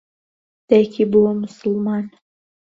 دایکی بووە موسڵمان.